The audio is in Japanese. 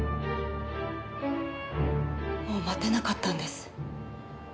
もう待てなかったんです。